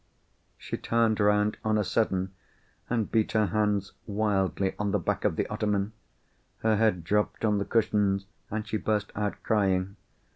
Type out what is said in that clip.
She turned round on a sudden, and beat her hands wildly on the back of the ottoman. Her head dropped on the cushions; and she burst out crying.